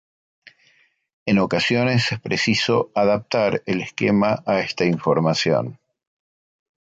En ocasiones, es preciso adaptar el esquema a esta información.